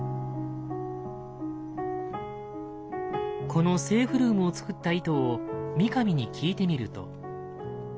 このセーフルームを作った意図を三上に聞いてみると。